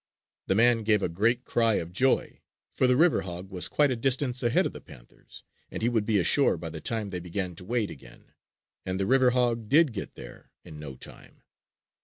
The man gave a great cry of joy; for the river hog was quite a distance ahead of the panthers, and he would be ashore by the time they began to wade again. And the river hog did get there in no time.